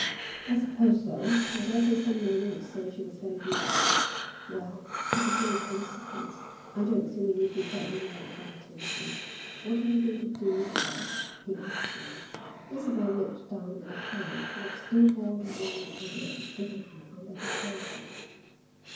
"I suppose so. I daresay some men would say she was very beautiful." "Well, it's of no consequence. I don't think we need give her any more of our attention." "What are you going to do, Isabel?" he asked then. Isabel looked down at the hand which still bore the ring Edward had given her on their betrothal.